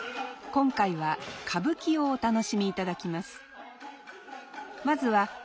今回は歌舞伎をお楽しみいただきます。